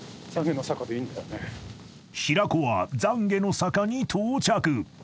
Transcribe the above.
［平子は懺悔の坂に到着］